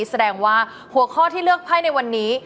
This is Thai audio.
แสดงว่าหัวข้อที่เลือกไพ่ในวันนี้